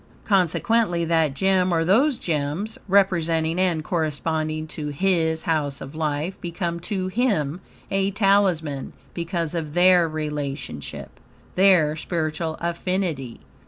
Consequently, that gem, or those gems, representing and corresponding to HIS HOUSE OF LIFE, become to him, a Talisman, because of their relationship their spiritual affinity.